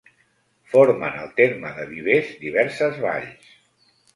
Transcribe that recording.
Formen el terme de Vivers diverses valls.